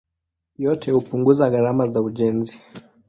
Yote hupunguza gharama za ujenzi.